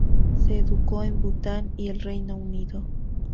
Se educó en Bután y el Reino Unido.